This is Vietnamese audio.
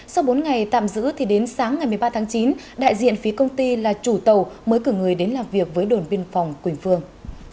sau bốn ngày tạm giữ thì đến sáng ngày một mươi ba tháng chín đại diện phía công ty là chủ tàu mới cử người đến làm việc với đồn biên phòng quỳnh phương